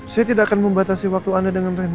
saya tidak akan membatasi waktu anda dengan reinhar